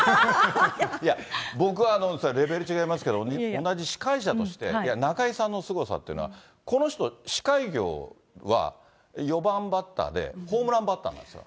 いや、僕はレベル違いますけれども、同じ司会者として、いや、中居さんのすごさってのは、この人、司会業は４番バッターで、ホームランバッターなんです。